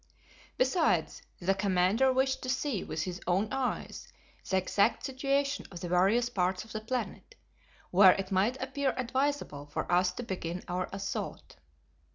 Besides, the commander wished to see with his own eyes the exact situation of the various parts of the planet, where it might appear advisable for us to begin our assault.